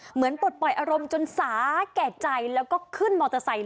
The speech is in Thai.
ปลดปล่อยอารมณ์จนสาแก่ใจแล้วก็ขึ้นมอเตอร์ไซค์